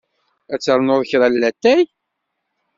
Ad ternuḍ kra n lattay?